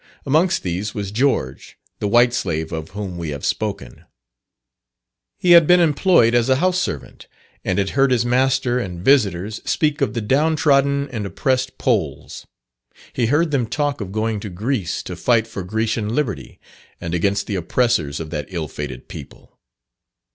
Amongst these was George, the white slave of whom we have spoken. He had been employed as a house servant, and had heard his master and visiters speak of the down trodden and oppressed Poles; he heard them talk of going to Greece to fight for Grecian liberty, and against the oppressors of that ill fated people.